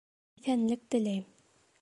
Иҫәнлек теләйем.